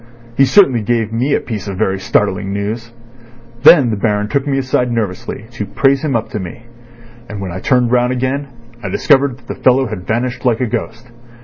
He certainly gave me a piece of very startling news. Then the Baron took me aside nervously to praise him up to me, and when I turned round again I discovered that the fellow had vanished like a ghost.